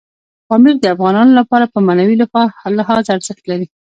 پامیر د افغانانو لپاره په معنوي لحاظ ارزښت لري.